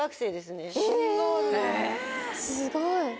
すごい！